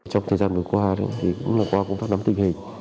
trong thời gian vừa qua cũng là qua công tác đám tình hình